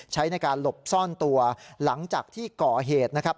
ใช้ในการหลบซ่อนตัวหลังจากที่ก่อเหตุนะครับ